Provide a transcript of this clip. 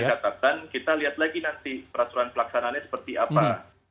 betul tapi tidak dikatakan kita lihat lagi nanti peraturan pelaksanaannya seperti apa